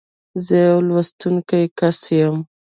زه يو لوستونکی کس یم.